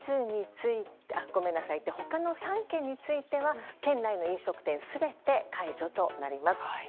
他の３県については県内の飲食店全て解除となります。